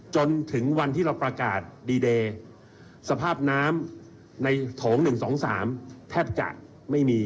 จนถึงวันที่เราประกาศดีเดย์สภาพน้ำในโถง๑๒๓แทบจะไม่มี